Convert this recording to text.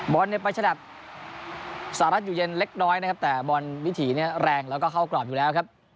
เนี่ยไปฉลับสหรัฐอยู่เย็นเล็กน้อยนะครับแต่บอลวิถีเนี่ยแรงแล้วก็เข้ากรอบอยู่แล้วครับ